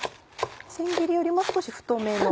千切りよりも少し太めの。